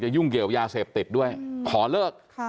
ยุ่งเกี่ยวยาเสพติดด้วยขอเลิก